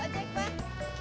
oh jack pak